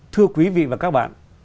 thưa quý vị và các bạn